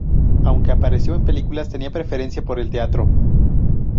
Aunque apareció en películas tenía preferencia por el teatro.